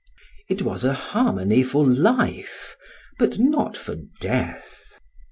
It was a harmony for life, but not for death.